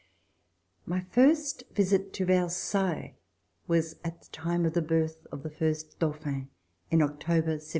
My first visit to Versailles was at the time of the birth of the first Dauphin In October, 1781.